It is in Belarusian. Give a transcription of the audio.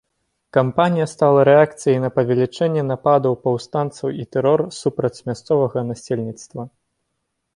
Кампанія стала рэакцыяй на павелічэнне нападаў паўстанцаў і тэрор супраць мясцовага насельніцтва.